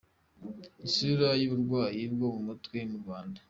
Isura y’uburwayi bwo mu mutwe mu Rwanda.